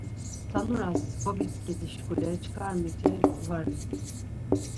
Tanuras gobitzǩedi şkule çkar miti va ren.